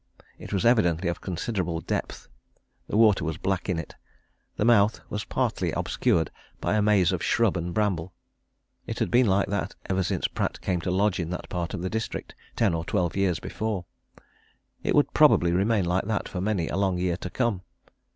It was evidently of considerable depth; the water was black in it; the mouth was partly obscured by a maze of shrub and bramble. It had been like that ever since Pratt came to lodge in that part of the district ten or twelve years before; it would probably remain like that for many a long year to come.